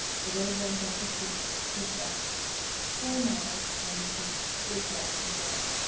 The road runs up the creek. Good grass. 4. On the Creek. Good grass and water.